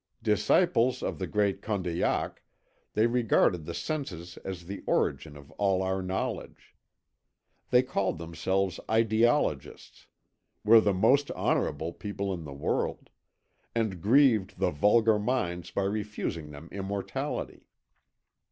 Disciples of the great Condillac, they regarded the senses as the origin of all our knowledge. They called themselves ideologists, were the most honourable people in the world, and grieved the vulgar minds by refusing them immortality.